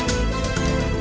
teganya teganya teganya